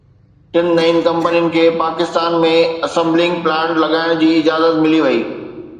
ٽن نئين ڪمپنين کي پاڪستان ۾ اسمبلنگ پلانٽ لڳائڻ جي اجازت ملي وئي